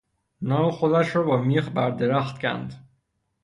نام خودش را با میخ بر درخت کند.